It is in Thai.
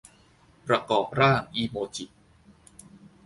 ประกอบร่างอิโมจิ